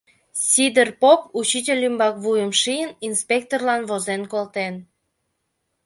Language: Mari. Сидыр поп, учитель ӱмбак вуйым шийын, инспекторлан возен колтен.